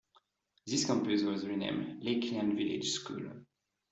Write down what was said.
This campus was renamed Lakeland Village School.